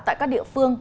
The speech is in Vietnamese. tại các địa phương